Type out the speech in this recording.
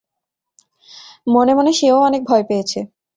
মনে মনে সেও অনেক ভয় পেয়েছে!